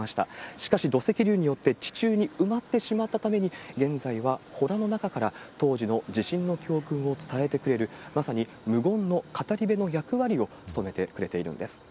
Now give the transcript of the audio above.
しかし、土石流によって地中に埋まってしまったために、現在はほらの中から当時の地震の教訓を伝えてくれる、まさに無言の語り部の役割を務めてくれているんです。